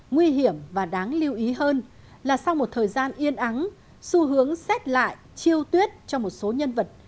nguy hiểm và đáng lưu ý hơn là sau một thời gian yên ắng xu hướng xét lại chiêu tuyết cho một số nhân vật